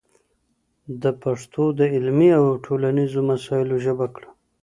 ده پښتو د علمي او ټولنيزو مسايلو ژبه کړه